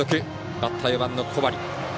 バッター、４番の小針。